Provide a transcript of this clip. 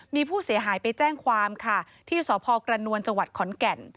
มีผู้เสียหายไปแจ้งความค่ะที่สพกระนวลจังหวัดขอนแก่น